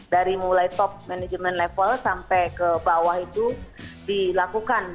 dari mulai top management level sampai ke bawah itu dilakukan